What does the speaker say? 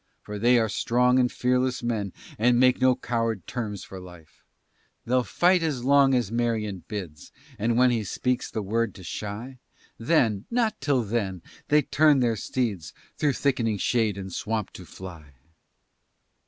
For they are strong and fearless men, And make no coward terms for life; They'll fight as long as Marion bids, And when he speaks the word to shy, Then, not till then, they turn their steeds, Through thickening shade and swamp to fly.